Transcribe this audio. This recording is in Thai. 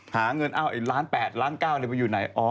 หาเงินล้านแปดล้านเก้าอยู่ไหน